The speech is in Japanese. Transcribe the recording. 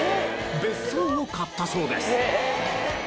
別荘を買ったそうです。